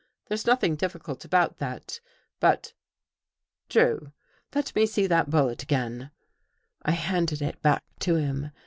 There's nothing difficult about that. But ... Drew, let me see that bullet again." I handed it back to him.